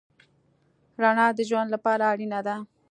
رڼا د ژوند لپاره اړینه ده.